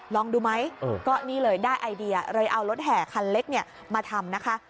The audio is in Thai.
ลองดูไหมก็นี่เลยได้ไอเดียเลยเอารถแห่คันเล็กมาทำนะคะ